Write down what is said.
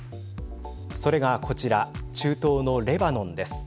それがこちら中東のレバノンです。